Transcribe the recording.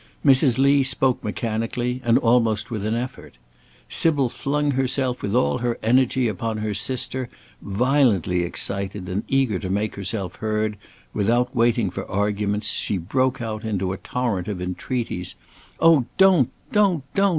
Mrs. Lee spoke mechanically, and almost with an effort. Sybil flung herself with all her energy upon her sister; violently excited, and eager to make herself heard, without waiting for arguments, she broke out into a torrent of entreaties: "Oh, don't, don't, don't!